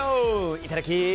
いただき！